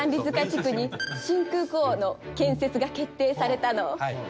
地区に新空港の建設が決定されたの。